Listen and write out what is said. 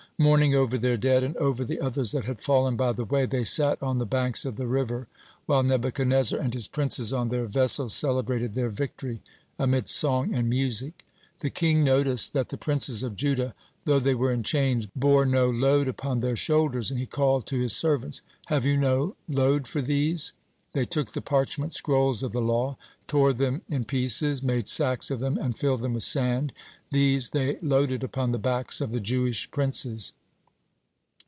Mourning over their dead and over the others that had fallen by the way, they sat on the banks of the river, while Nebuchadnezzar and his princes on their vessels celebrated their victory amid song and music. The king noticed that the princes of Judah, though they were in chains, bore no load upon their shoulders, and he called to his servants: "Have you no load for these?" They took the parchment scrolls of the law, tore them in pieces, made sacks of them, and filled them with sand; these they loaded upon the backs of the Jewish princes.